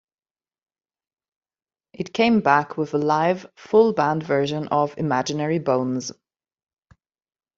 It cames backed with a live full-band version of 'Imaginary Bones'.